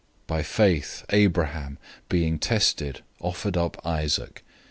011:017 By faith, Abraham, being tested, offered up Isaac.